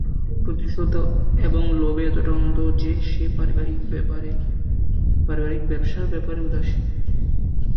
প্রতিশোধ এবং লোভে এতটা অন্ধ যে, সে পারিবারিক ব্যবসার ব্যপারে উদাসীন।